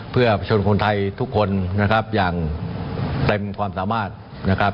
เพื่อชนคนไทยทุกคนนะครับอย่างเต็มความสามารถนะครับ